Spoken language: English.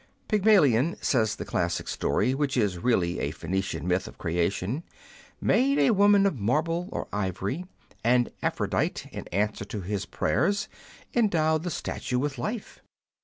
Pygmalion, says the classic story, which is really a Phcenician myth of creation, made a woman of marble or ivory, and Aphrodite, in answer to his prayers, endowed the statue with life.